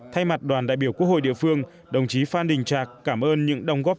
thay mặt đoàn đại biểu quốc hội địa phương đồng chí phan đình trạc cảm ơn những đồng góp